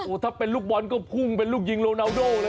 ถ้าเป็นลูกบอลก็พุ่งเป็นลูกยิงโรนาโดเลย